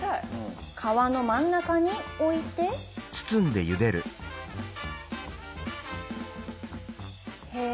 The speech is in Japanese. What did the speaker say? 皮の真ん中に置いてへぇ。